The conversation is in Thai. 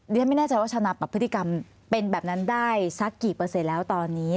ไม่แน่ใจว่าชนะปรับพฤติกรรมเป็นแบบนั้นได้สักกี่เปอร์เซ็นต์แล้วตอนนี้